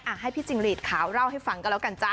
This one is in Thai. อ่ะให้พี่จิงรีดขาวเล่าให้ฟังกันแล้วกันจ้ะ